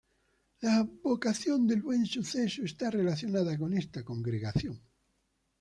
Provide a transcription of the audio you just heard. La advocación del Buen Suceso está relacionada con esta congregación.